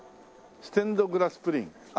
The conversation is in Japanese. ステンドグラスプリン。